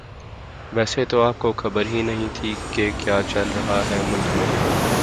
ویسے تو آپ کو خبر ہی نہیں تھی کہ کیا چل رہا ہے ملک میں